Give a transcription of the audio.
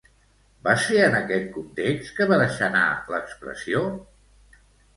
Va ser en aquest context que va deixar anar l'expressió?